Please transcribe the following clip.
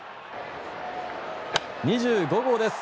２５号です。